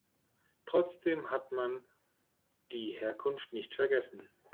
Trotzdem hat man die Herkunft nicht vergessen.